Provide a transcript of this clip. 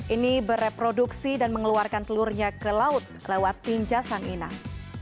ini bereproduksi dan mengeluarkan telurnya ke laut lewat tinja sang inang